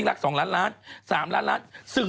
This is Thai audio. จากธนาคารกรุงเทพฯ